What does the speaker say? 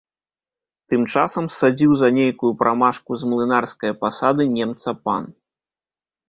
Тым часам ссадзіў за нейкую прамашку з млынарскае пасады немца пан.